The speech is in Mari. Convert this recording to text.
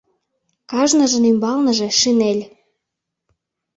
Кажныжын ӱмбалныже шинель.